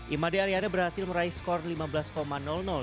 imade ariana berhasil meraih skor lima belas